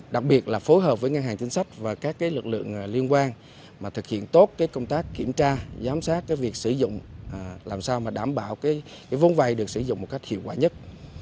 đặc biệt là phối hợp với ngân hàng chính sách và các lực lượng liên quan thực hiện tốt công tác kiểm tra giám sát việc sử dụng làm sao mà đảm bảo vốn vay được sử dụng một cách hiệu quả nhất